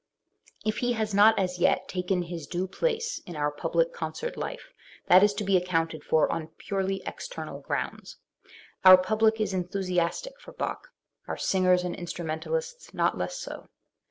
If he has not as yet taken his due place in our public concert life, that is to be accounted for on purely external grounds. Our public is enthusiastic for Bach, our singers and instrumentalists not less so.